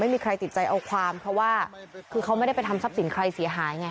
ไม่มีใครติดใจเอาความเพราะว่าคือเขาไม่ได้ไปทำทรัพย์สินใครเสียหายไง